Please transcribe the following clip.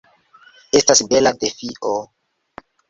Estas bela defio.